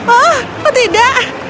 oh apa tidak